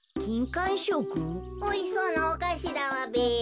おいしそうなおかしだわべ。